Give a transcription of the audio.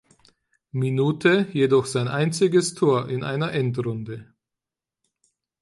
Minute jedoch sein einziges Tor in einer Endrunde.